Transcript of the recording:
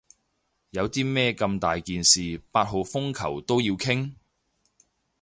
有啲咩咁大件事八號風球都要傾？